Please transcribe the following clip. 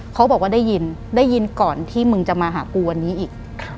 เขาบอกว่าได้ยินได้ยินก่อนที่มึงจะมาหากูวันนี้อีก